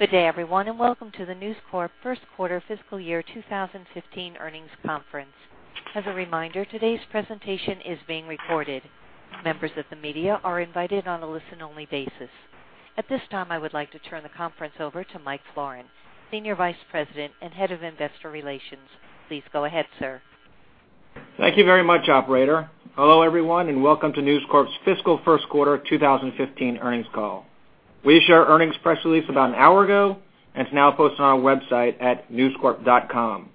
Good day everyone. Welcome to the News Corp first quarter fiscal year 2015 earnings conference. As a reminder, today's presentation is being recorded. Members of the media are invited on a listen-only basis. At this time, I would like to turn the conference over to Michael Florin, Senior Vice President and Head of Investor Relations. Please go ahead, sir. Thank you very much, operator. Hello everyone. Welcome to News Corp's fiscal first quarter 2015 earnings call. We issued our earnings press release about an hour ago, and it is now posted on our website at newscorp.com.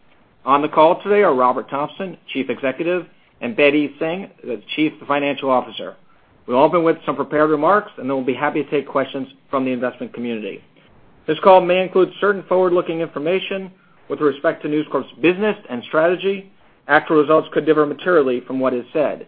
On the call today are Robert Thomson, Chief Executive, and Bedi Singh, the Chief Financial Officer. We will open with some prepared remarks. Then we will be happy to take questions from the investment community. This call may include certain forward-looking information with respect to News Corp's business and strategy. Actual results could differ materially from what is said.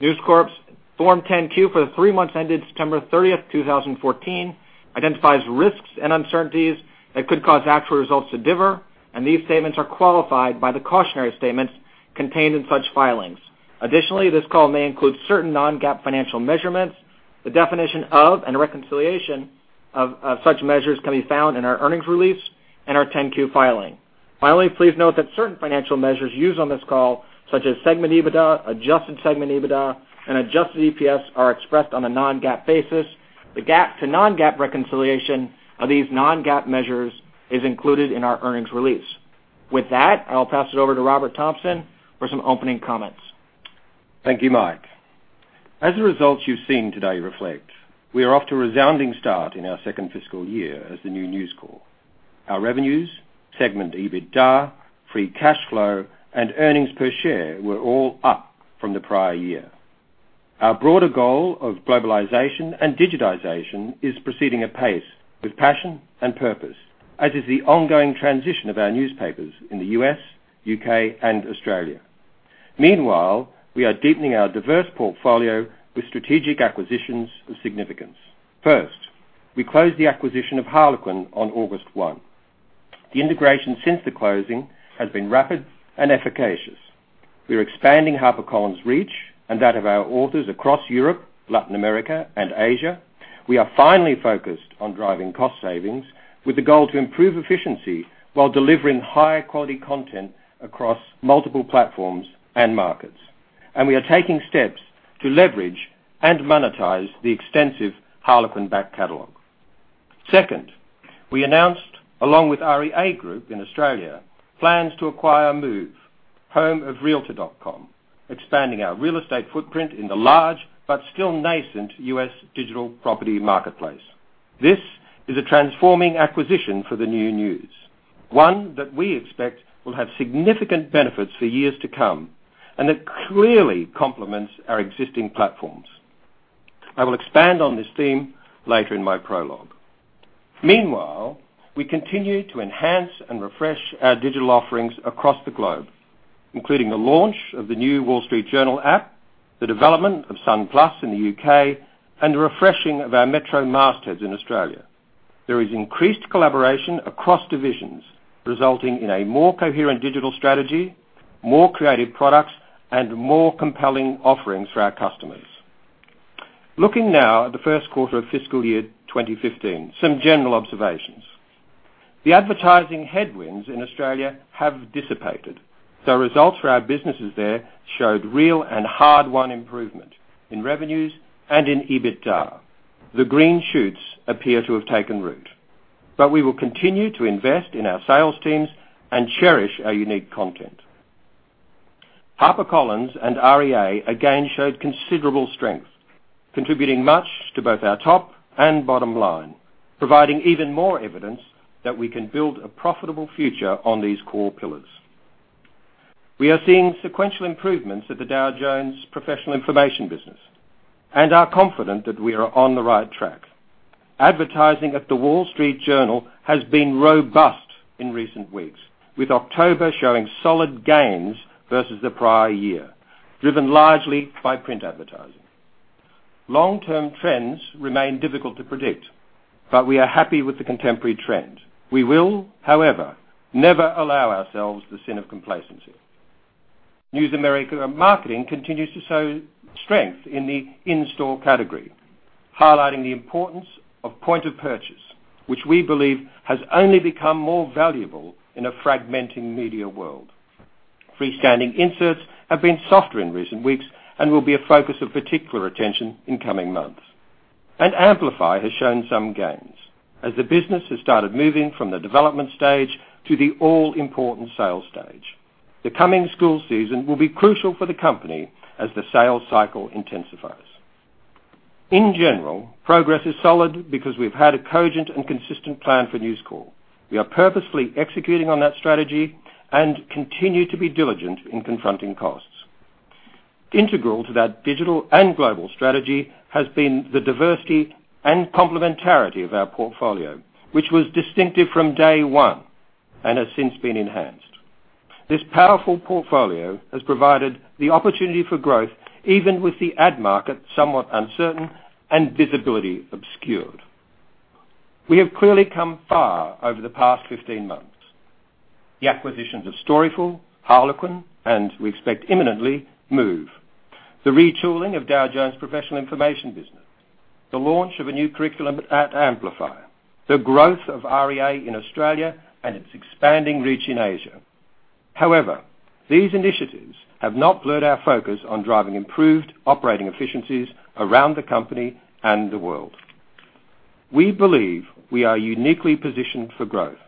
News Corp's Form 10-Q for the three months ended September 30, 2014, identifies risks and uncertainties that could cause actual results to differ, and these statements are qualified by the cautionary statements contained in such filings. Additionally, this call may include certain non-GAAP financial measurements. The definition of, and reconciliation of such measures can be found in our earnings release and our 10-Q filing. Finally, please note that certain financial measures used on this call, such as segment EBITDA, adjusted segment EBITDA, and adjusted EPS, are expressed on a non-GAAP basis. The GAAP to non-GAAP reconciliation of these non-GAAP measures is included in our earnings release. With that, I will pass it over to Robert Thomson for some opening comments. Thank you, Mike. As the results you have seen today reflect, we are off to a resounding start in our second fiscal year as the new News Corp. Our revenues, segment EBITDA, free cash flow, and earnings per share were all up from the prior year. Our broader goal of globalization and digitization is proceeding at pace with passion and purpose, as is the ongoing transition of our newspapers in the U.S., U.K., and Australia. Meanwhile, we are deepening our diverse portfolio with strategic acquisitions of significance. First, we closed the acquisition of Harlequin on August 1. The integration since the closing has been rapid and efficacious. We are expanding HarperCollins' reach and that of our authors across Europe, Latin America, and Asia. We are finally focused on driving cost savings with the goal to improve efficiency while delivering high-quality content across multiple platforms and markets. We are taking steps to leverage and monetize the extensive Harlequin back catalog. Second, we announced, along with REA Group in Australia, plans to acquire Move, home of realtor.com, expanding our real estate footprint in the large but still nascent U.S. digital property marketplace. This is a transforming acquisition for the new News. One that we expect will have significant benefits for years to come, and it clearly complements our existing platforms. I will expand on this theme later in my prologue. Meanwhile, we continue to enhance and refresh our digital offerings across the globe, including the launch of the new Wall Street Journal app, the development of Sun+ in the U.K., and the refreshing of our Metro mastheads in Australia. There is increased collaboration across divisions, resulting in a more coherent digital strategy, more creative products, and more compelling offerings for our customers. Looking now at the first quarter of fiscal year 2015, some general observations. The advertising headwinds in Australia have dissipated. Results for our businesses there showed real and hard-won improvement in revenues and in EBITDA. The green shoots appear to have taken root, but we will continue to invest in our sales teams and cherish our unique content. HarperCollins and REA again showed considerable strength, contributing much to both our top and bottom line, providing even more evidence that we can build a profitable future on these core pillars. We are seeing sequential improvements at the Dow Jones professional information business and are confident that we are on the right track. Advertising at The Wall Street Journal has been robust in recent weeks, with October showing solid gains versus the prior year, driven largely by print advertising. Long-term trends remain difficult to predict. We are happy with the contemporary trend. We will, however, never allow ourselves the sin of complacency. News America Marketing continues to show strength in the in-store category, highlighting the importance of point of purchase, which we believe has only become more valuable in a fragmenting media world. Freestanding inserts have been softer in recent weeks and will be a focus of particular attention in coming months. Amplify has shown some gains as the business has started moving from the development stage to the all-important sales stage. The coming school season will be crucial for the company as the sales cycle intensifies. In general, progress is solid because we've had a cogent and consistent plan for News Corp. We are purposefully executing on that strategy and continue to be diligent in confronting costs. Integral to that digital and global strategy has been the diversity and complementarity of our portfolio, which was distinctive from day one and has since been enhanced. This powerful portfolio has provided the opportunity for growth even with the ad market somewhat uncertain and visibility obscured. We have clearly come far over the past 15 months. The acquisitions of Storyful, Harlequin, and we expect imminently, Move. The retooling of Dow Jones professional information business, the launch of a new curriculum at Amplify, the growth of REA in Australia and its expanding reach in Asia. These initiatives have not blurred our focus on driving improved operating efficiencies around the company and the world. We believe we are uniquely positioned for growth,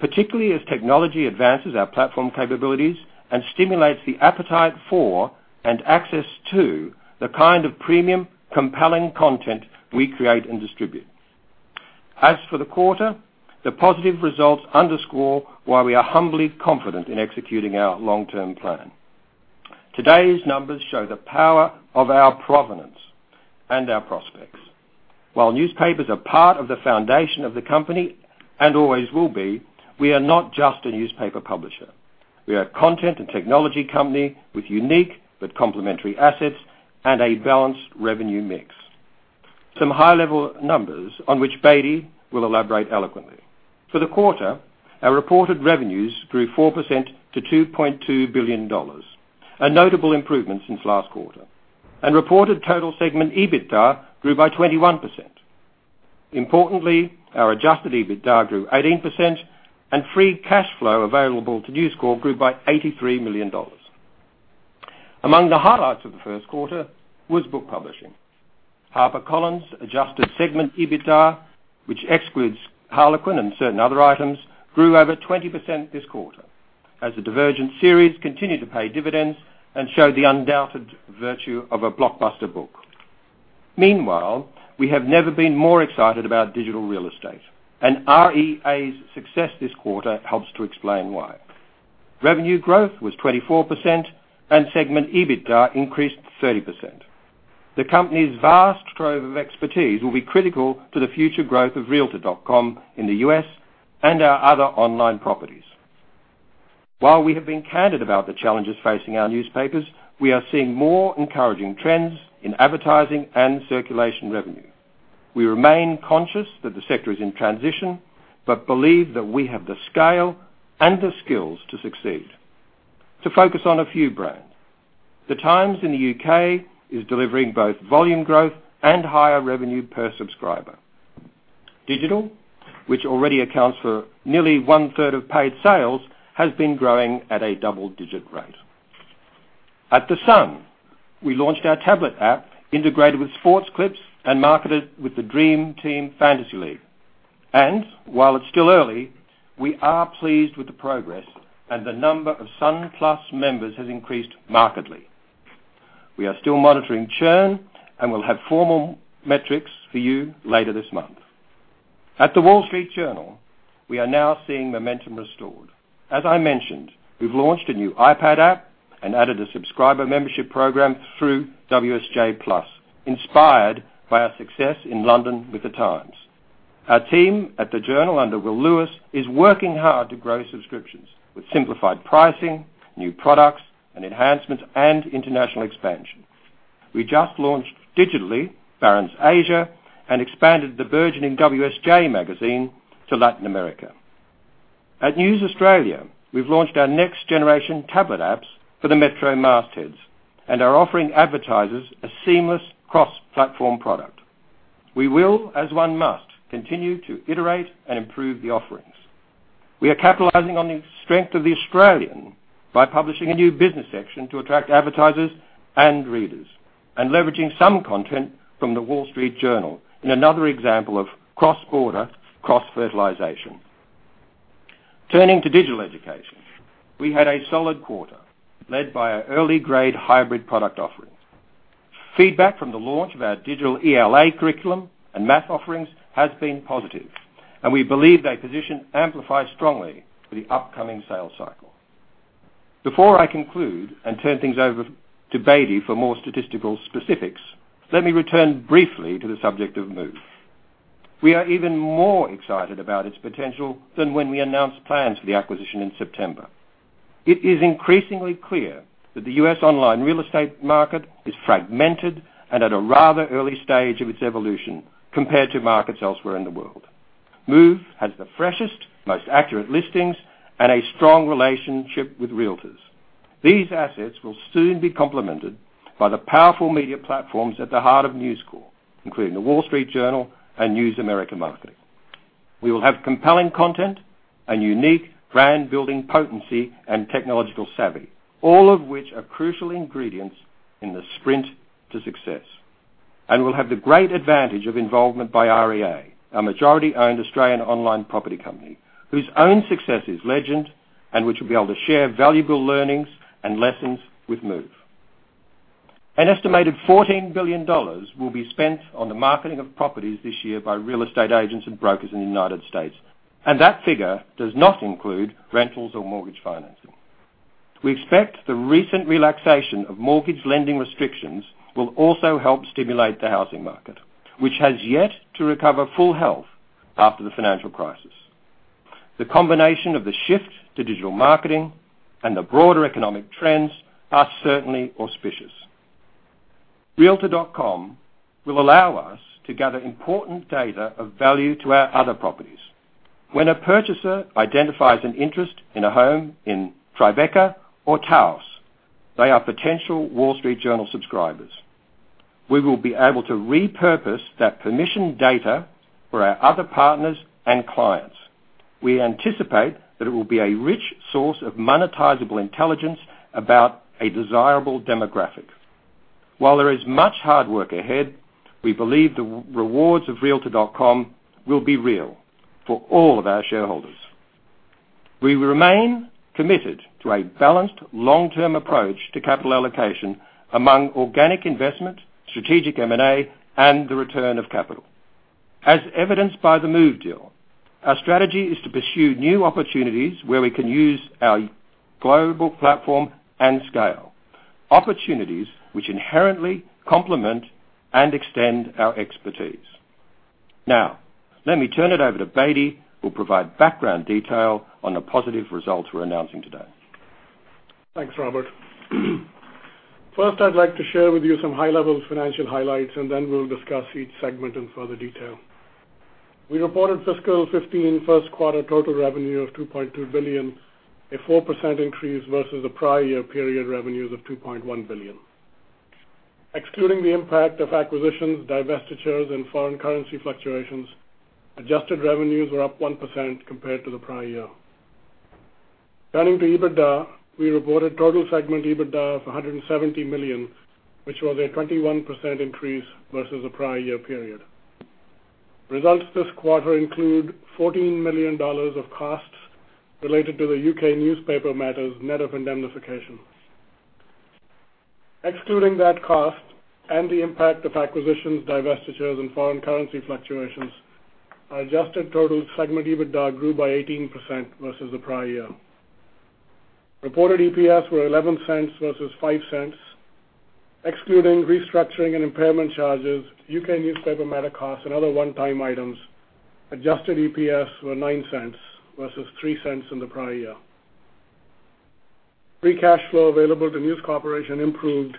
particularly as technology advances our platform capabilities and stimulates the appetite for and access to the kind of premium compelling content we create and distribute. As for the quarter, the positive results underscore why we are humbly confident in executing our long-term plan. Today's numbers show the power of our provenance and our prospects. While newspapers are part of the foundation of the company, and always will be, we are not just a newspaper publisher. We are a content and technology company with unique but complementary assets and a balanced revenue mix. Some high-level numbers on which Bedi will elaborate eloquently. For the quarter, our reported revenues grew 4% to $2.2 billion. A notable improvement since last quarter. Reported total segment EBITDA grew by 21%. Importantly, our adjusted EBITDA grew 18%, and free cash flow available to News Corp grew by $83 million. Among the highlights of the first quarter was book publishing. HarperCollins adjusted segment EBITDA, which excludes Harlequin and certain other items, grew over 20% this quarter. As the Divergent series continued to pay dividends and showed the undoubted virtue of a blockbuster book. Meanwhile, we have never been more excited about digital real estate. REA's success this quarter helps to explain why. Revenue growth was 24% and segment EBITDA increased 30%. The company's vast trove of expertise will be critical to the future growth of realtor.com in the U.S. and our other online properties. While we have been candid about the challenges facing our newspapers, we are seeing more encouraging trends in advertising and circulation revenue. We remain conscious that the sector is in transition, but believe that we have the scale and the skills to succeed. To focus on a few brands. The Times in the U.K. is delivering both volume growth and higher revenue per subscriber. Digital, which already accounts for nearly one-third of paid sales, has been growing at a double-digit rate. At The Sun, we launched our tablet app integrated with sports clips and marketed with the Dream Team Fantasy League. While it's still early, we are pleased with the progress and the number of Sun+ members has increased markedly. We are still monitoring churn and will have formal metrics for you later this month. At The Wall Street Journal, we are now seeing momentum restored. As I mentioned, we've launched a new iPad app and added a subscriber membership program through WSJ+, inspired by our success in London with The Times. Our team at The Journal under Will Lewis is working hard to grow subscriptions with simplified pricing, new products, and enhancements and international expansion. We just launched digitally Barron's Asia and expanded the version in WSJ. Magazine to Latin America. At News Australia, we've launched our next-generation tablet apps for the Metro mastheads and are offering advertisers a seamless cross-platform product. We will, as one must, continue to iterate and improve the offerings. We are capitalizing on the strength of The Australian by publishing a new business section to attract advertisers and readers, and leveraging some content from The Wall Street Journal in another example of cross-border cross-fertilization. Turning to digital education, we had a solid quarter led by our early grade hybrid product offerings. Feedback from the launch of our digital ELA curriculum and math offerings has been positive, and we believe they position Amplify strongly for the upcoming sales cycle. Before I conclude and turn things over to Bedi for more statistical specifics, let me return briefly to the subject of Move. We are even more excited about its potential than when we announced plans for the acquisition in September. It is increasingly clear that the U.S. online real estate market is fragmented and at a rather early stage of its evolution compared to markets elsewhere in the world. Move has the freshest, most accurate listings, and a strong relationship with realtors. These assets will soon be complemented by the powerful media platforms at the heart of News Corp, including The Wall Street Journal and News America Marketing. We will have compelling content and unique brand-building potency and technological savvy, all of which are crucial ingredients in the sprint to success. We'll have the great advantage of involvement by REA, a majority-owned Australian online property company whose own success is legend and which will be able to share valuable learnings and lessons with Move. An estimated $14 billion will be spent on the marketing of properties this year by real estate agents and brokers in the United States, and that figure does not include rentals or mortgage financing. We expect the recent relaxation of mortgage lending restrictions will also help stimulate the housing market, which has yet to recover full health after the financial crisis. The combination of the shift to digital marketing and the broader economic trends are certainly auspicious. realtor.com will allow us to gather important data of value to our other properties. When a purchaser identifies an interest in a home in Tribeca or Taos, they are potential Wall Street Journal subscribers. We will be able to repurpose that permission data for our other partners and clients. We anticipate that it will be a rich source of monetizable intelligence about a desirable demographic. While there is much hard work ahead, we believe the rewards of realtor.com will be real for all of our shareholders. We will remain committed to a balanced long-term approach to capital allocation among organic investment, strategic M&A, and the return of capital. As evidenced by the Move deal, our strategy is to pursue new opportunities where we can use our global platform and scale. Opportunities which inherently complement and extend our expertise. Let me turn it over to Bedi, who'll provide background detail on the positive results we're announcing today. Thanks, Robert. I'd like to share with you some high-level financial highlights, and then we'll discuss each segment in further detail. We reported fiscal 2015 first quarter total revenue of $2.2 billion, a 4% increase versus the prior year period revenues of $2.1 billion. Excluding the impact of acquisitions, divestitures, and foreign currency fluctuations, adjusted revenues were up 1% compared to the prior year. Turning to EBITDA, we reported total segment EBITDA of $170 million, which was a 21% increase versus the prior year period. Results this quarter include $14 million of costs related to the U.K. newspaper matters net of indemnification. Excluding that cost and the impact of acquisitions, divestitures, and foreign currency fluctuations, our adjusted total segment EBITDA grew by 18% versus the prior year. Reported EPS were $0.11 versus $0.05. Excluding restructuring and impairment charges, U.K. newspaper matter costs, and other one-time items, adjusted EPS were $0.09 versus $0.03 in the prior year. Free cash flow available to News Corp improved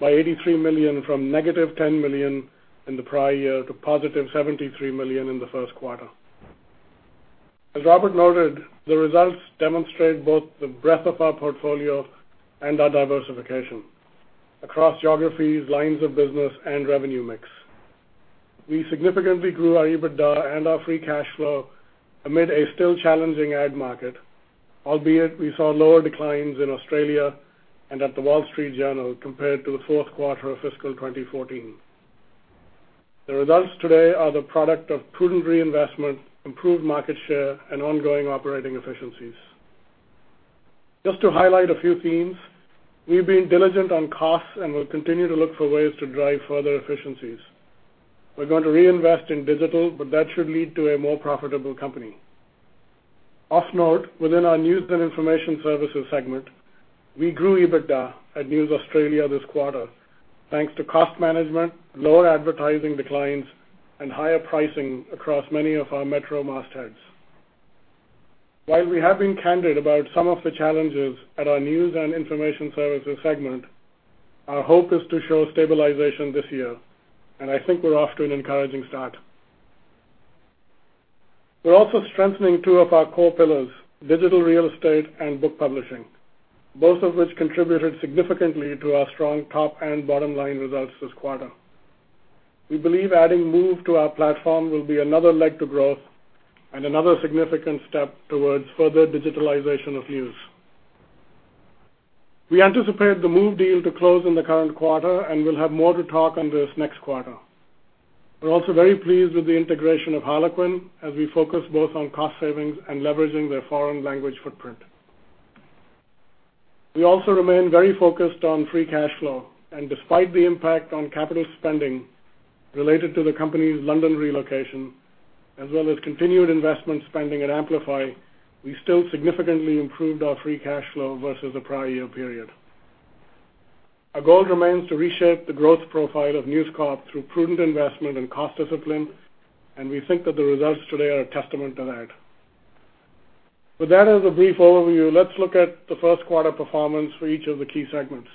by $83 million from negative $10 million in the prior year to positive $73 million in the first quarter. As Robert noted, the results demonstrate both the breadth of our portfolio and our diversification across geographies, lines of business, and revenue mix. We significantly grew our EBITDA and our free cash flow amid a still challenging ad market, albeit we saw lower declines in Australia and at The Wall Street Journal compared to the fourth quarter of fiscal 2014. The results today are the product of prudent reinvestment, improved market share, and ongoing operating efficiencies. Just to highlight a few themes, we've been diligent on costs and will continue to look for ways to drive further efficiencies. We're going to reinvest in digital. That should lead to a more profitable company. Of note, within our news and information services segment, we grew EBITDA at News Australia this quarter, thanks to cost management, lower advertising declines, and higher pricing across many of our Metro mastheads. While we have been candid about some of the challenges at our news and information services segment, our hope is to show stabilization this year, and I think we're off to an encouraging start. We're also strengthening two of our core pillars, digital real estate and book publishing, both of which contributed significantly to our strong top and bottom-line results this quarter. We believe adding Move to our platform will be another leg to growth and another significant step towards further digitalization of News. We anticipate the Move deal to close in the current quarter. We'll have more to talk on this next quarter. We're also very pleased with the integration of Harlequin as we focus both on cost savings and leveraging their foreign language footprint. We also remain very focused on free cash flow, and despite the impact on capital spending related to the company's London relocation, as well as continued investment spending at Amplify, we still significantly improved our free cash flow versus the prior year period. Our goal remains to reshape the growth profile of News Corp through prudent investment and cost discipline. We think that the results today are a testament to that. With that as a brief overview, let's look at the first quarter performance for each of the key segments.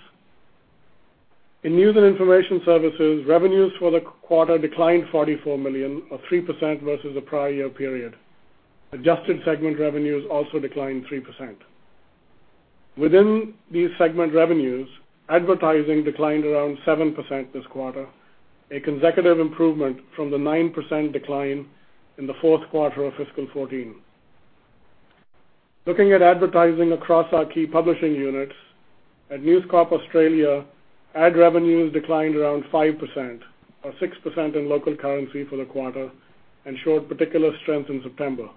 In news and information services, revenues for the quarter declined $44 million or 3% versus the prior year period. Adjusted segment revenues also declined 3%. Within these segment revenues, advertising declined around 7% this quarter, a consecutive improvement from the 9% decline in the fourth quarter of fiscal 2014. Looking at advertising across our key publishing units, at News Corp Australia, ad revenues declined around 5%, or 6% in local currency for the quarter, and showed particular strength in September.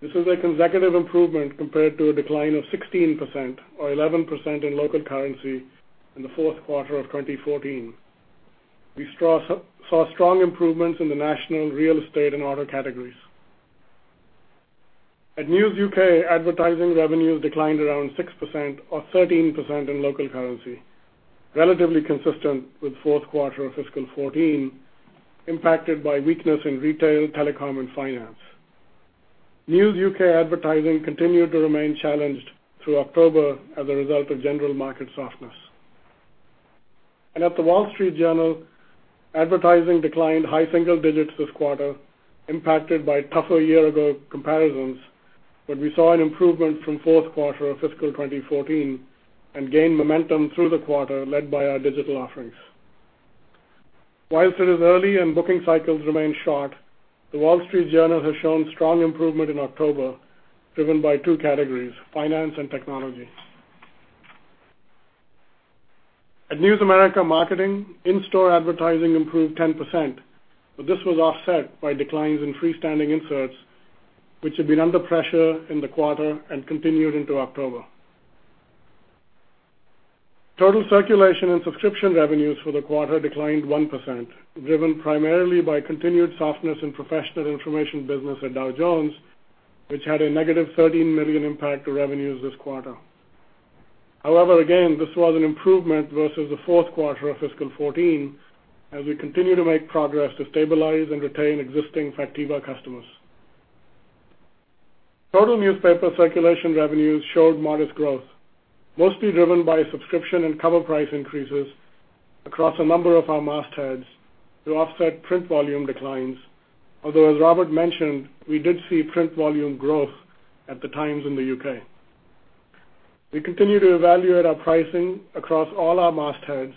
This is a consecutive improvement compared to a decline of 16%, or 11% in local currency in the fourth quarter of 2014. We saw strong improvements in the national real estate and auto categories. At News UK, advertising revenues declined around 6%, or 13% in local currency, relatively consistent with fourth quarter of fiscal 2014, impacted by weakness in retail, telecom, and finance. News U.K. advertising continued to remain challenged through October as a result of general market softness. At The Wall Street Journal, advertising declined high single digits this quarter, impacted by tougher year-ago comparisons, but we saw an improvement from fourth quarter of fiscal 2014 and gained momentum through the quarter, led by our digital offerings. Whilst it is early and booking cycles remain short, The Wall Street Journal has shown strong improvement in October, driven by two categories, finance and technology. At News America Marketing, in-store advertising improved 10%, but this was offset by declines in freestanding inserts, which had been under pressure in the quarter and continued into October. Total circulation and subscription revenues for the quarter declined 1%, driven primarily by continued softness in professional information business at Dow Jones, which had a negative $13 million impact to revenues this quarter. Again, this was an improvement versus the fourth quarter of fiscal 2014, as we continue to make progress to stabilize and retain existing Factiva customers. Total newspaper circulation revenues showed modest growth, mostly driven by subscription and cover price increases across a number of our mastheads to offset print volume declines. Although, as Robert mentioned, we did see print volume growth at The Times in the U.K. We continue to evaluate our pricing across all our mastheads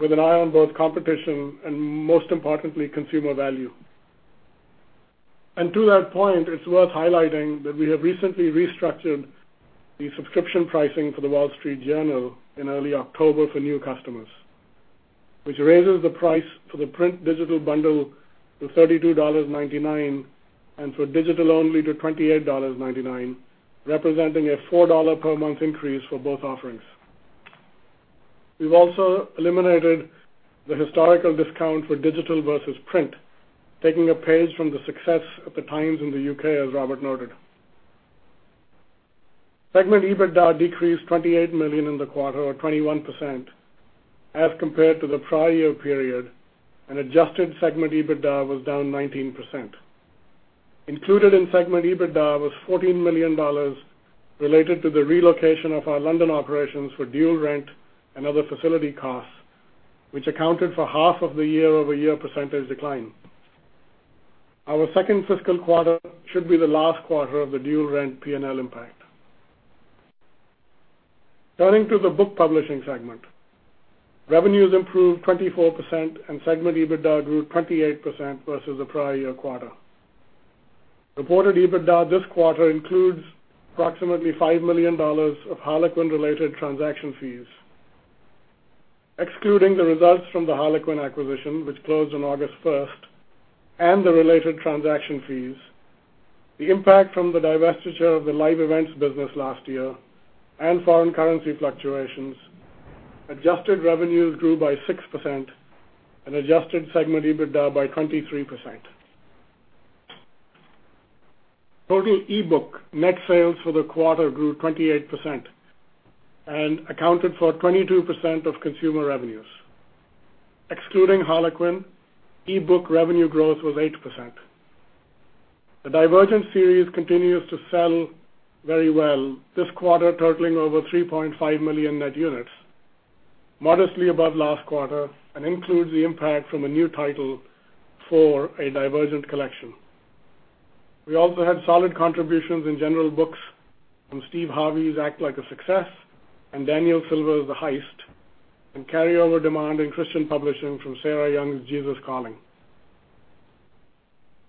with an eye on both competition and, most importantly, consumer value. To that point, it's worth highlighting that we have recently restructured the subscription pricing for The Wall Street Journal in early October for new customers, which raises the price for the print-digital bundle to $32.99 and for digital-only to $28.99, representing a $4 per month increase for both offerings. We've also eliminated the historical discount for digital versus print, taking a page from the success of The Times in the U.K., as Robert noted. Segment EBITDA decreased $28 million in the quarter, or 21%, as compared to the prior year period, and adjusted segment EBITDA was down 19%. Included in segment EBITDA was $14 million related to the relocation of our London operations for dual rent and other facility costs, which accounted for half of the year-over-year percentage decline. Our second fiscal quarter should be the last quarter of the dual rent P&L impact. Turning to the book publishing segment. Revenues improved 24%, and segment EBITDA grew 28% versus the prior year quarter. Reported EBITDA this quarter includes approximately $5 million of Harlequin-related transaction fees. Excluding the results from the Harlequin acquisition, which closed on August 1st, and the related transaction fees, the impact from the divestiture of the live events business last year, and foreign currency fluctuations, adjusted revenues grew by 6% and adjusted segment EBITDA by 23%. Total e-book net sales for the quarter grew 28% and accounted for 22% of consumer revenues. Excluding Harlequin, e-book revenue growth was 8%. The Divergent Series continues to sell very well this quarter, totaling over 3.5 million net units, modestly above last quarter, and includes the impact from a new title for a Divergent collection. We also had solid contributions in general books from Steve Harvey's "Act Like a Success" and Daniel Silva's "The Heist," and carryover demand in Christian publishing from Sarah Young's "Jesus Calling."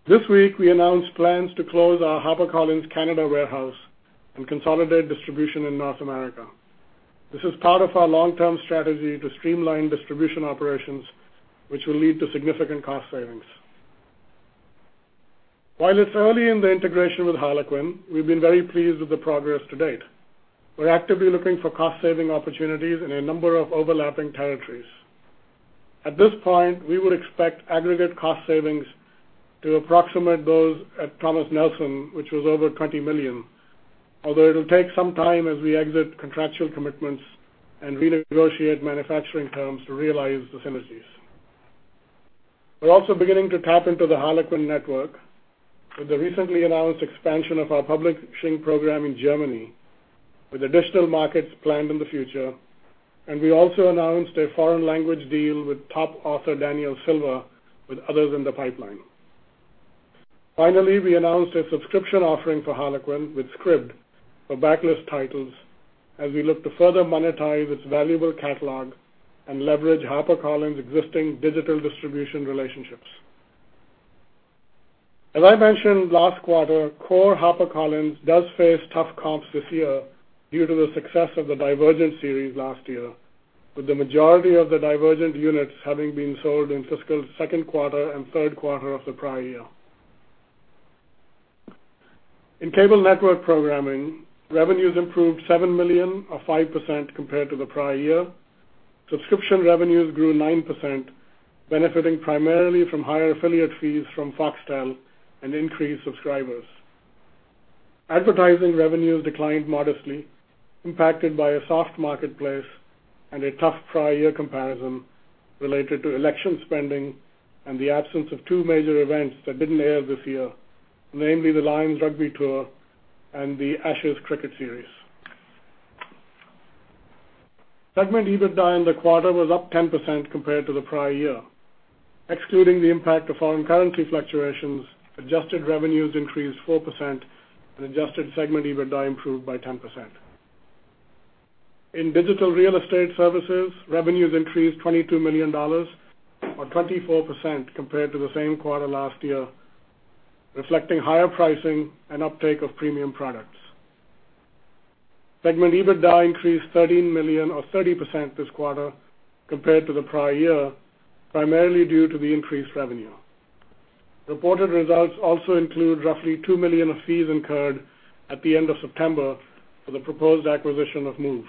This week, we announced plans to close our HarperCollins Canada warehouse and consolidate distribution in North America. This is part of our long-term strategy to streamline distribution operations, which will lead to significant cost savings. While it's early in the integration with Harlequin, we've been very pleased with the progress to date. We're actively looking for cost-saving opportunities in a number of overlapping territories. At this point, we would expect aggregate cost savings to approximate those at Thomas Nelson, which was over $20 million. Although it'll take some time as we exit contractual commitments and renegotiate manufacturing terms to realize the synergies. We're also beginning to tap into the Harlequin network with the recently announced expansion of our publishing program in Germany, with additional markets planned in the future, and we also announced a foreign language deal with top author Daniel Silva, with others in the pipeline. Finally, we announced a subscription offering for Harlequin with Scribd for backlist titles as we look to further monetize its valuable catalog and leverage HarperCollins' existing digital distribution relationships. As I mentioned last quarter, core HarperCollins does face tough comps this year due to the success of The Divergent Series last year, with the majority of The Divergent units having been sold in fiscal second quarter and third quarter of the prior year. In cable network programming, revenues improved $7 million, or 5%, compared to the prior year. Subscription revenues grew 9%, benefiting primarily from higher affiliate fees from Foxtel and increased subscribers. Advertising revenues declined modestly, impacted by a soft marketplace and a tough prior year comparison related to election spending and the absence of two major events that didn't air this year, namely the Lions Rugby Tour and the Ashes cricket series. Segment EBITDA in the quarter was up 10% compared to the prior year. Excluding the impact of foreign currency fluctuations, adjusted revenues increased 4% and adjusted segment EBITDA improved by 10%. In digital real estate services, revenues increased $22 million or 24% compared to the same quarter last year, reflecting higher pricing and uptake of premium products. Segment EBITDA increased $13 million or 30% this quarter compared to the prior year, primarily due to the increased revenue. Reported results also include roughly $2 million of fees incurred at the end of September for the proposed acquisition of Move.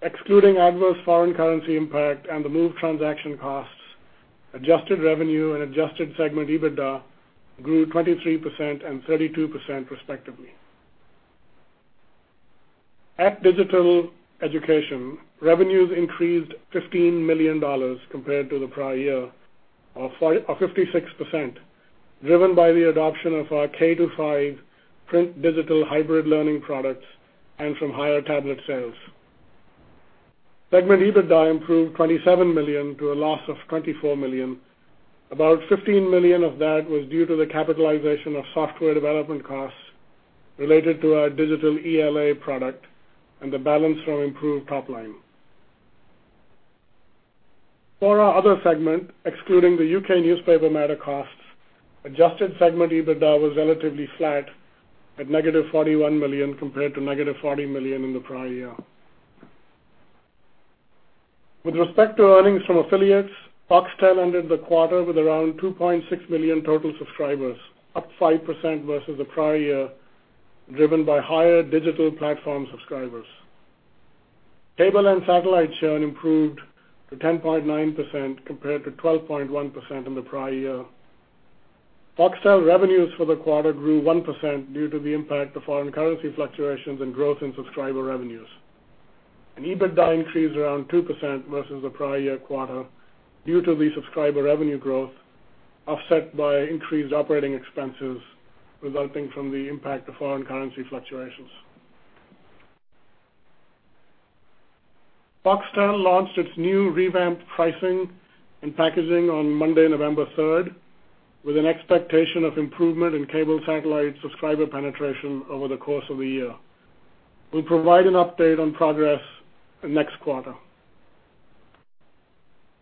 Excluding adverse foreign currency impact and the Move transaction costs, adjusted revenue and adjusted segment EBITDA grew 23% and 32% respectively. At Digital Education, revenues increased $15 million compared to the prior year, or 56%, driven by the adoption of our K-5 print digital hybrid learning products and from higher tablet sales. Segment EBITDA improved $27 million to a loss of $24 million. About $15 million of that was due to the capitalization of software development costs related to our digital ELA product and the balance from improved top line. For our other segment, excluding the U.K. newspaper matter costs, adjusted segment EBITDA was relatively flat at negative $41 million compared to negative $40 million in the prior year. With respect to earnings from affiliates, Foxtel ended the quarter with around 2.6 million total subscribers, up 5% versus the prior year, driven by higher digital platform subscribers. Cable and satellite churn improved to 10.9% compared to 12.1% in the prior year. Foxtel revenues for the quarter grew 1% due to the impact of foreign currency fluctuations and growth in subscriber revenues. EBITDA increased around 2% versus the prior year quarter due to the subscriber revenue growth offset by increased operating expenses resulting from the impact of foreign currency fluctuations. Foxtel launched its new revamped pricing and packaging on Monday, November 3rd, with an expectation of improvement in cable satellite subscriber penetration over the course of the year. We'll provide an update on progress next quarter.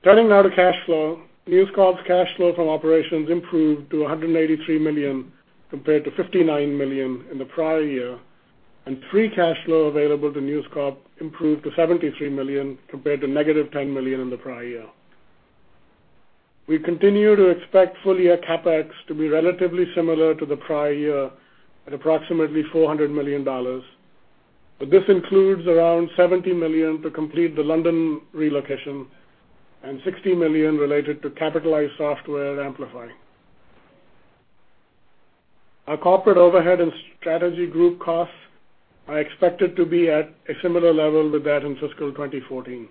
Turning now to cash flow, News Corp's cash flow from operations improved to $183 million compared to $59 million in the prior year, and free cash flow available to News Corp improved to $73 million compared to negative $10 million in the prior year. We continue to expect full-year CapEx to be relatively similar to the prior year at approximately $400 million. This includes around $70 million to complete the London relocation and $60 million related to capitalized software at Amplify. Our corporate overhead and strategy group costs are expected to be at a similar level with that in fiscal 2014.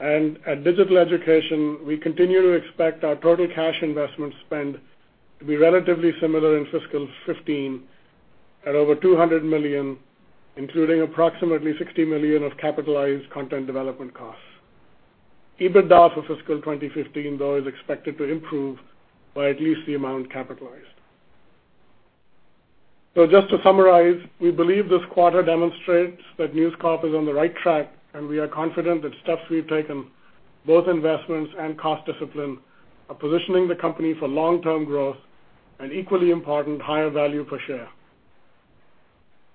At Digital Education, we continue to expect our total cash investment spend to be relatively similar in fiscal 2015 at over $200 million, including approximately $60 million of capitalized content development costs. EBITDA for fiscal 2015, though, is expected to improve by at least the amount capitalized. Just to summarize, we believe this quarter demonstrates that News Corp is on the right track, and we are confident that steps we've taken, both investments and cost discipline, are positioning the company for long-term growth and equally important, higher value per share.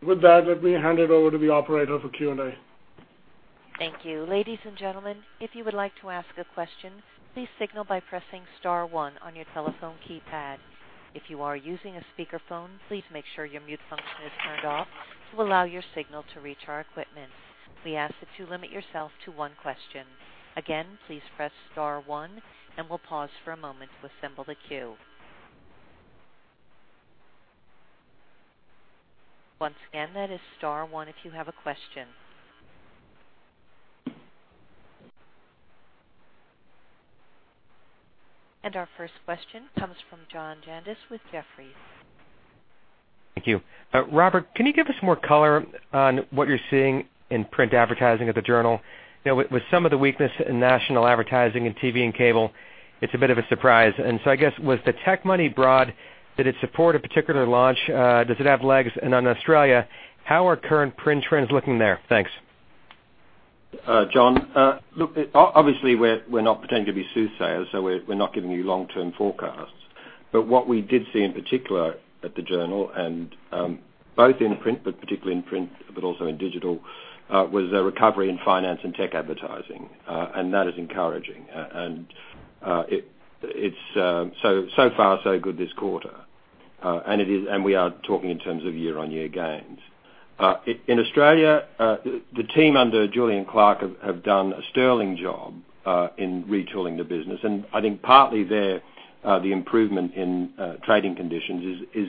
With that, let me hand it over to the operator for Q&A. Thank you. Ladies and gentlemen, if you would like to ask a question, please signal by pressing star one on your telephone keypad. If you are using a speakerphone, please make sure your mute function is turned off to allow your signal to reach our equipment. We ask that you limit yourself to one question. Again, please press star one and we'll pause for a moment to assemble the queue. Once again, that is star one if you have a question. Our first question comes from John Janedis with Jefferies. Thank you. Robert, can you give us more color on what you're seeing in print advertising at the Journal? With some of the weakness in national advertising in TV and cable, it's a bit of a surprise. I guess, was the tech money broad? Did it support a particular launch? Does it have legs? On Australia, how are current print trends looking there? Thanks. John. Look, obviously we're not pretending to be soothsayers. We're not giving you long-term forecasts. What we did see in particular at The Wall Street Journal, both in print, but particularly in print, but also in digital, was a recovery in finance and tech advertising. That is encouraging. So far so good this quarter. We are talking in terms of year-over-year gains. In Australia, the team under Julian Clarke have done a sterling job in retooling the business. I think partly there, the improvement in trading conditions is,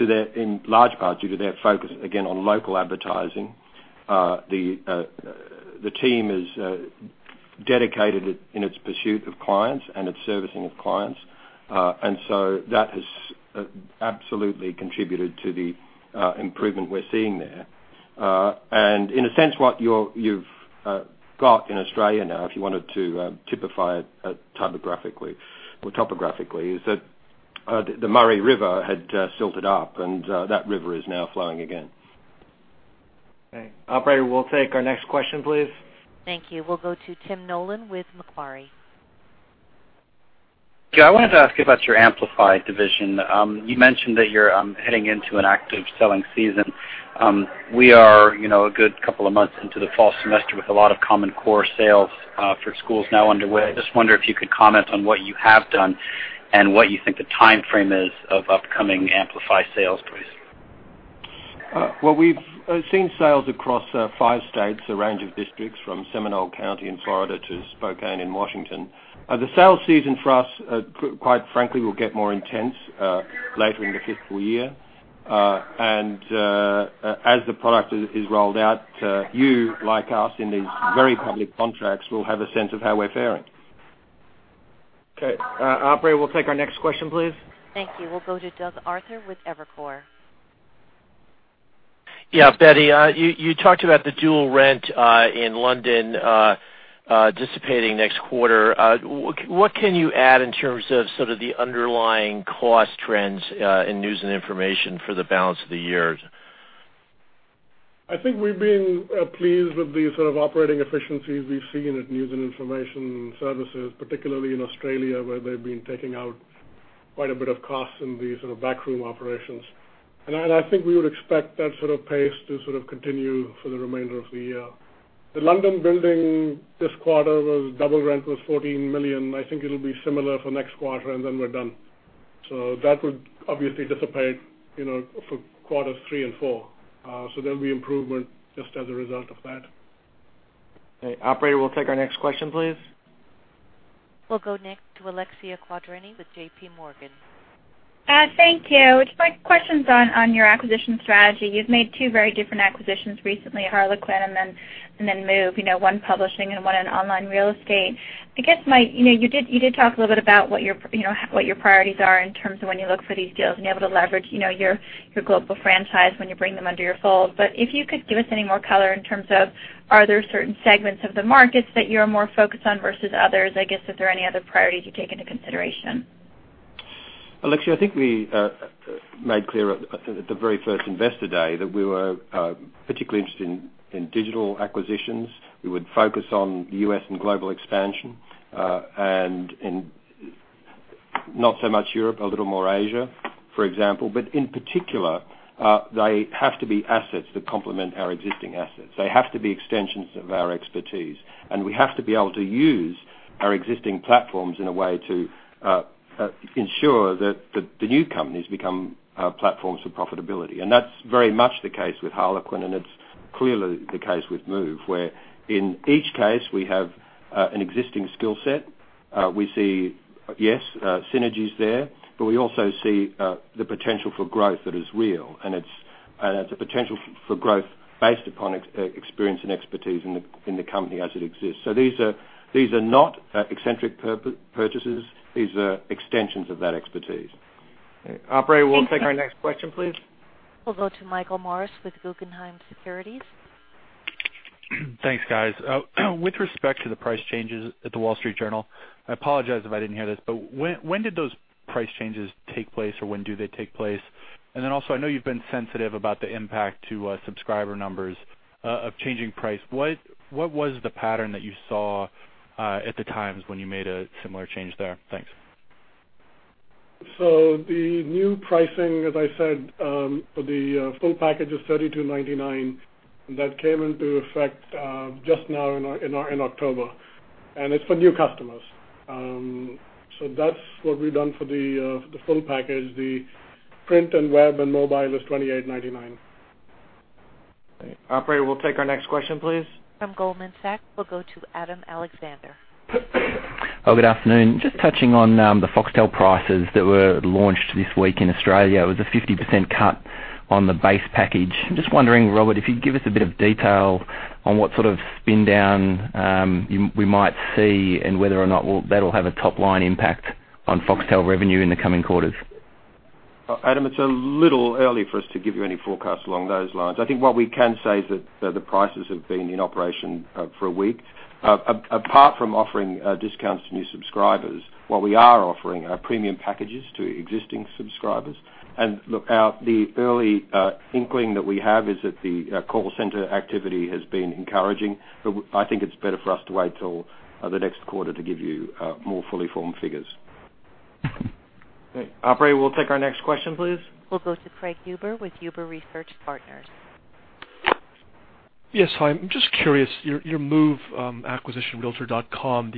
in large part, due to their focus again on local advertising. The team is dedicated in its pursuit of clients and its servicing of clients. That has absolutely contributed to the improvement we're seeing there. In a sense, what you've got in Australia now, if you wanted to typify it topographically, is that the Murray River had silted up, and that river is now flowing again. Okay. Operator, we'll take our next question, please. Thank you. We'll go to Tim Nollen with Macquarie. Yeah, I wanted to ask about your Amplify division. You mentioned that you're heading into an active selling season. We are a good couple of months into the fall semester with a lot of Common Core sales for schools now underway. I just wonder if you could comment on what you have done and what you think the timeframe is of upcoming Amplify sales, please. Well, we've seen sales across five states, a range of districts from Seminole County in Florida to Spokane in Washington. The sales season for us, quite frankly, will get more intense later in the fiscal year. As the product is rolled out, you, like us in these very public contracts, will have a sense of how we're faring. Okay. Operator, we'll take our next question, please. Thank you. We'll go to Douglas Arthur with Evercore. Yeah, Bedi, you talked about the dual rent in London dissipating next quarter. What can you add in terms of sort of the underlying cost trends in News and Information for the balance of the year? I think we've been pleased with the sort of operating efficiencies we've seen at News and Information Services, particularly in Australia, where they've been taking out quite a bit of cost in the sort of back room operations. I think we would expect that sort of pace to sort of continue for the remainder of the year. The London building this quarter was double rent, was $14 million. I think it'll be similar for next quarter, and then we're done. That would obviously dissipate for quarters three and four. There'll be improvement just as a result of that. Okay. Operator, we'll take our next question, please. We'll go next to Alexia Quadrani with J.P. Morgan. Thank you. My question's on your acquisition strategy. You've made two very different acquisitions recently, Harlequin and then Move, one publishing and one in online real estate. You did talk a little bit about what your priorities are in terms of when you look for these deals, and you're able to leverage your global franchise when you bring them under your fold. If you could give us any more color in terms of, are there certain segments of the markets that you're more focused on versus others? I guess, is there any other priorities you take into consideration? Alexia, I think we made clear at the very first Investor Day that we were particularly interested in digital acquisitions. We would focus on U.S. and global expansion, and not so much Europe, a little more Asia, for example. In particular, they have to be assets that complement our existing assets. They have to be extensions of our expertise. We have to be able to use our existing platforms in a way to ensure that the new companies become platforms for profitability. That's very much the case with Harlequin, and it's clearly the case with Move, where in each case, we have an existing skill set. We see, yes, synergies there, but we also see the potential for growth that is real, and it's a potential for growth based upon experience and expertise in the company as it exists. These are not eccentric purchases. These are extensions of that expertise. Okay. Operator, we'll take our next question, please. We'll go to Michael Morris with Guggenheim Securities. Thanks, guys. With respect to the price changes at The Wall Street Journal, I apologize if I didn't hear this, but when did those price changes take place, or when do they take place? I know you've been sensitive about the impact to subscriber numbers of changing price. What was the pattern that you saw at The Times when you made a similar change there? Thanks. The new pricing, as I said, for the full package is $32.99, and that came into effect just now in October, and it's for new customers. That's what we've done for the full package. The print and web and mobile is $28.99. Okay. Operator, we'll take our next question, please. From Goldman Sachs, we'll go to Adam Alexander. Good afternoon. Just touching on the Foxtel prices that were launched this week in Australia. It was a 50% cut on the base package. I'm just wondering, Robert, if you'd give us a bit of detail on what sort of spin down we might see and whether or not that'll have a top-line impact on Foxtel revenue in the coming quarters. Adam, it's a little early for us to give you any forecasts along those lines. I think what we can say is that the prices have been in operation for a week. Apart from offering discounts to new subscribers, what we are offering are premium packages to existing subscribers. Look, the early inkling that we have is that the call center activity has been encouraging. I think it's better for us to wait till the next quarter to give you more fully formed figures. Okay. Operator, we'll take our next question, please. We'll go to Craig Huber with Huber Research Partners. Yes. Hi. I'm just curious, your Move acquisition, realtor.com,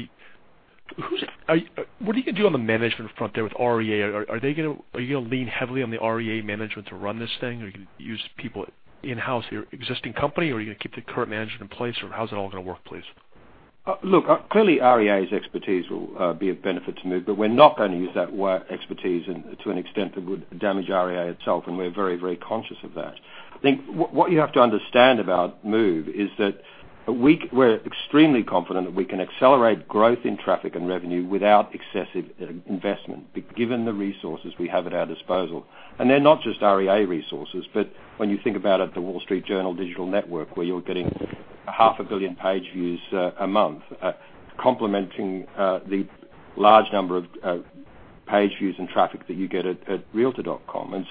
what are you going to do on the management front there with REA? Are you going to lean heavily on the REA management to run this thing? Are you going to use people in-house, your existing company, or are you going to keep the current management in place, or how's it all going to work, please? Look, clearly, REA's expertise will be of benefit to Move, but we're not going to use that expertise to an extent that would damage REA itself, we're very conscious of that. I think what you have to understand about Move is that we're extremely confident that we can accelerate growth in traffic and revenue without excessive investment, given the resources we have at our disposal. They're not just REA resources, but when you think about it, The Wall Street Journal Digital Network, where you're getting half a billion page views a month, complementing the large number of page views and traffic that you get at realtor.com.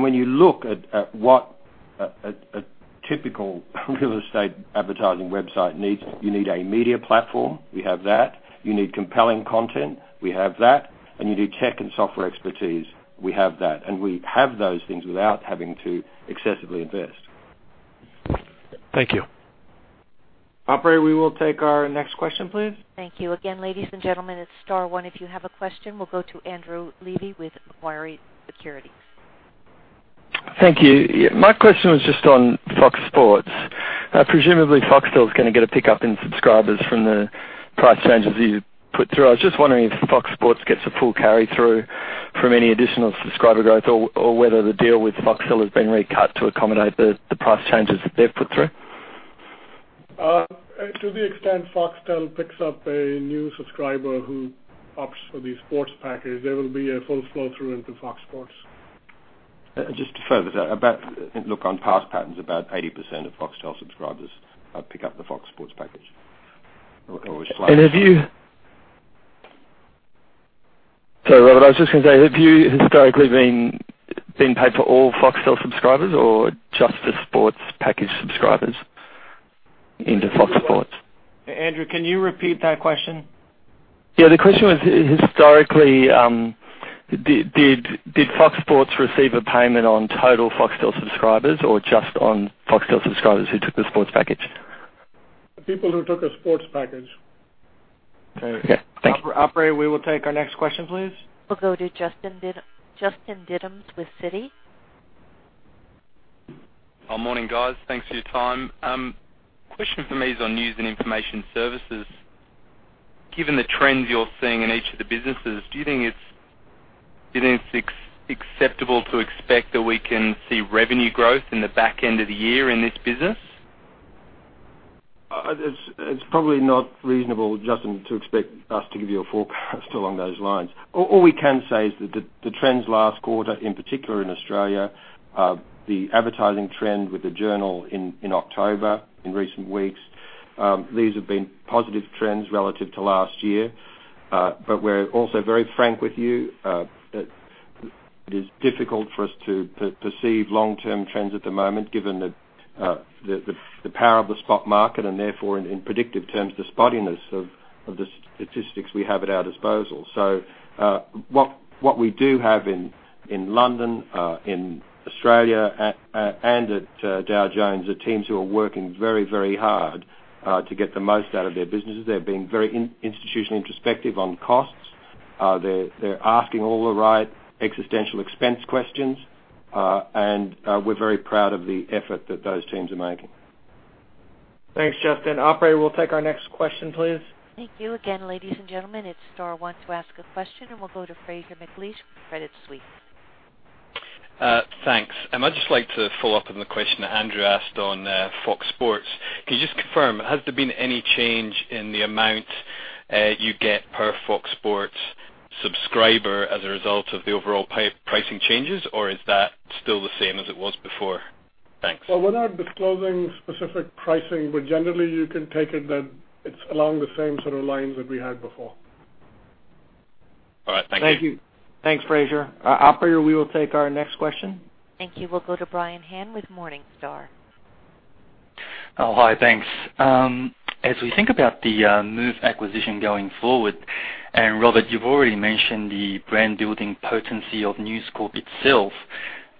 When you look at what a typical real estate advertising website needs, you need a media platform, we have that. You need compelling content, we have that. You need tech and software expertise, we have that. We have those things without having to excessively invest. Thank you. Operator, we will take our next question, please. Thank you. Again, ladies and gentlemen, it's star one if you have a question. We'll go to Andrew Levy with Macquarie Securities. Thank you. My question was just on Fox Sports. Presumably, Foxtel's going to get a pickup in subscribers from the price changes that you put through. I was just wondering if Fox Sports gets a full carry-through from any additional subscriber growth or whether the deal with Foxtel has been recut to accommodate the price changes that they've put through. To the extent Foxtel picks up a new subscriber who opts for the sports package, there will be a full flow-through into Fox Sports. Just to further that, look, on past patterns, about 80% of Foxtel subscribers pick up the Fox Sports package. Have you Sorry, Robert, I was just going to say, have you historically been paid for all Foxtel subscribers or just the sports package subscribers into Fox Sports? Andrew, can you repeat that question? Yeah. The question was, historically, did Fox Sports receive a payment on total Foxtel subscribers or just on Foxtel subscribers who took the sports package? The people who took a sports package. Okay. Yeah. Thank you. Operator, we will take our next question, please. We'll go to Justin Diddams with Citi. Morning, guys. Thanks for your time. Question for me is on News and Information Services. Given the trends you're seeing in each of the businesses, do you think it's acceptable to expect that we can see revenue growth in the back end of the year in this business? It's probably not reasonable, Justin, to expect us to give you a forecast along those lines. All we can say is that the trends last quarter, in particular in Australia, the advertising trend with The Journal in October, in recent weeks, these have been positive trends relative to last year. We're also very frank with you. It is difficult for us to perceive long-term trends at the moment, given the power of the spot market, and therefore, in predictive terms, the spottiness of the statistics we have at our disposal. What we do have in London, in Australia, and at Dow Jones, are teams who are working very hard to get the most out of their businesses. They're being very institutionally introspective on costs. They're asking all the right existential expense questions. We're very proud of the effort that those teams are making. Thanks, Justin. Operator, we'll take our next question, please. Thank you. Again, ladies and gentlemen, it's star one to ask a question. We'll go to Fraser McLeish with Credit Suisse. Thanks. I'd just like to follow up on the question that Andrew asked on Fox Sports. Can you just confirm, has there been any change in the amount you get per Fox Sports subscriber as a result of the overall pricing changes, or is that still the same as it was before? Thanks. Without disclosing specific pricing, generally, you can take it that it's along the same sort of lines that we had before. All right. Thank you. Thank you. Thanks, Fraser. Operator, we will take our next question. Thank you. We'll go to Brian Han with Morningstar. Hi, thanks. As we think about the Move acquisition going forward. Robert, you've already mentioned the brand-building potency of News Corp itself.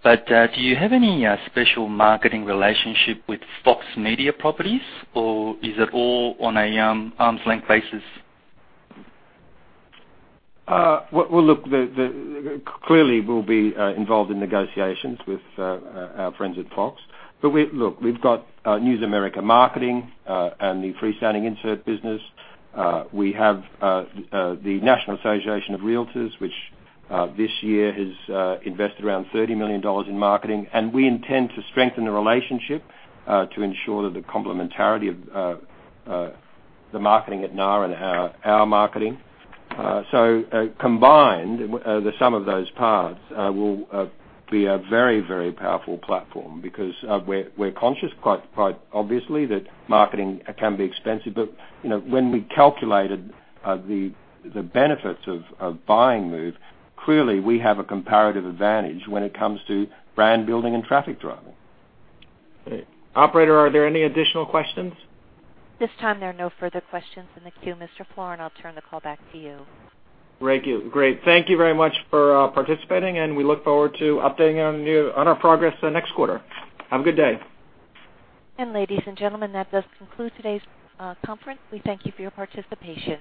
Do you have any special marketing relationship with Fox media properties, or is it all on an arm's length basis? Well, look, clearly, we'll be involved in negotiations with our friends at Fox. Look, we've got News America Marketing, and the freestanding insert business. We have the National Association of Realtors, which this year has invested around $30 million in marketing. We intend to strengthen the relationship to ensure that the complementarity of the marketing at NAR and our marketing. Combined, the sum of those parts will be a very powerful platform because we're conscious, quite obviously, that marketing can be expensive, but when we calculated the benefits of buying Move, clearly, we have a comparative advantage when it comes to brand building and traffic driving. Okay. Operator, are there any additional questions? This time there are no further questions in the queue. Mr. Florin, I'll turn the call back to you. Thank you. Great. Thank you very much for participating. We look forward to updating you on our progress next quarter. Have a good day. Ladies and gentlemen, that does conclude today's conference. We thank you for your participation.